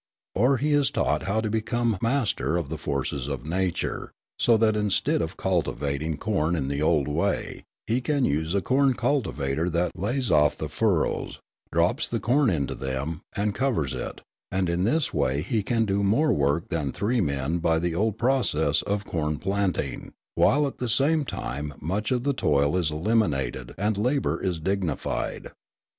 Or he is taught how to become master of the forces of nature, so that, instead of cultivating corn in the old way, he can use a corn cultivator that lays off the furrows, drops the corn into them, and covers it; and in this way he can do more work than three men by the old process of corn planting, while at the same time much of the toil is eliminated and labour is dignified.